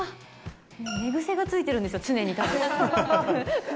もう寝癖がついてるんですよ、常に。